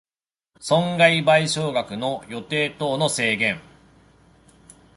損害賠償額の予定等の制限